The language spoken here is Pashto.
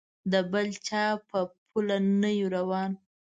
د بل چا په پله نه یو روان.